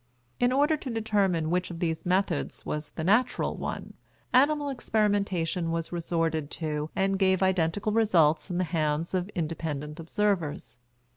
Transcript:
In order to determine which of these methods was the natural one, animal experimentation was resorted to and gave identical results in the hands of independent observers.